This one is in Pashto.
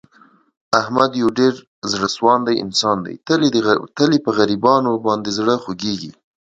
احمد یو ډېر زړه سواندی انسان دی. تل یې په غریبانو باندې زړه خوګېږي.